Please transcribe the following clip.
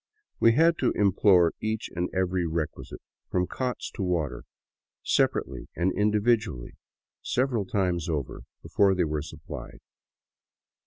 We had to implore each and every requisite, from cots to water, sepa rately and individually several times over before they were supphed.